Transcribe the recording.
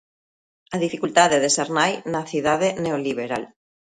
'A dificultade de ser nai na cidade neoliberal'.